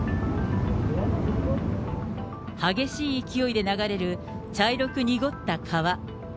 激しい勢いで流れる茶色く濁った川。